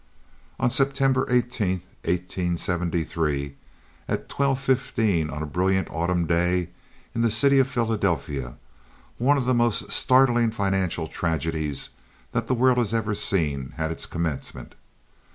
On September 18, 1873, at twelve fifteen of a brilliant autumn day, in the city of Philadelphia, one of the most startling financial tragedies that the world has ever seen had its commencement.